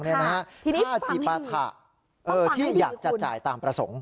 ค่าจีปาถะที่อยากจะจ่ายตามประสงค์